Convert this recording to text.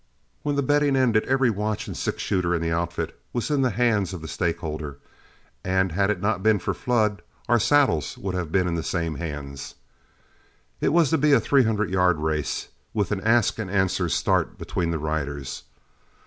When the betting ended, every watch and six shooter in the outfit was in the hands of the stakeholder, and had it not been for Flood our saddles would have been in the same hands. It was to be a three hundred yard race, with an ask and answer start between the riders.